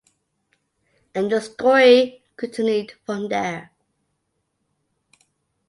And the story continued from there.